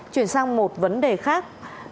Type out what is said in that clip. chuyển sang một vấn đề khác